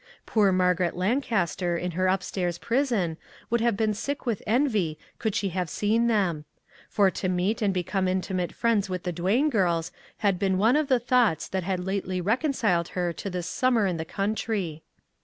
Poor Mar garet Lancaster in her upstairs prison would have been sick with envy could she have seen them ; for to meet and become intimate friends with the Duane girls had been one of the thoughts that had lately reconciled her to this summer in the country.